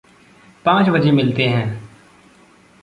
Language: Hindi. पाँच बजे मिलते हैं।